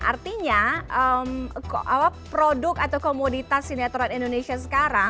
artinya produk atau komoditas sinetron indonesia sekarang